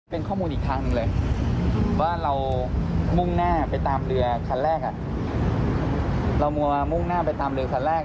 เป็นข้อมูลอีกทางหนึ่งเลยว่าเรามุ่งหน้าไปตามเรือครั้งแรก